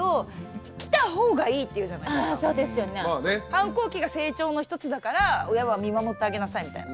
反抗期が成長の一つだから親は見守ってあげなさいみたいな。